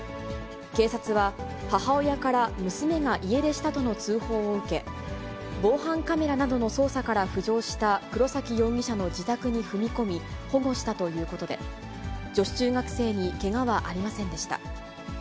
警察は、母親から娘が家出したとの通報を受け、防犯カメラなどの捜査から浮上した黒崎容疑者の自宅に踏み込み、保護したということで、女子中学生にけがはありませんでした。